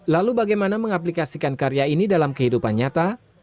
lalu bagaimana mengaplikasikan karya ini dalam kehidupan nyata